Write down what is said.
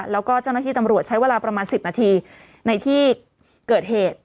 แล้วก็เจ้าหน้าที่ตำรวจใช้เวลาประมาณ๑๐นาทีในที่เกิดเหตุ